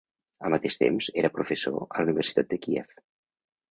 Al mateix temps, era professor a la Universitat de Kiev.